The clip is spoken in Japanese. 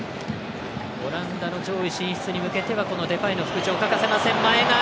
オランダの上位進出に向けてはデパイの復調、欠かせません。